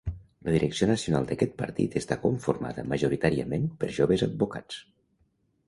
La direcció nacional d'aquest partit està conformada majoritàriament per joves advocats.